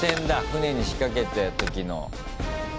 船に仕掛けた時の。